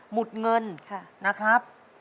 หมดเงินนะครับ